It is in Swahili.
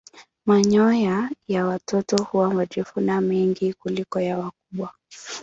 Manyoya ya watoto huwa marefu na mengi kuliko ya wakubwa.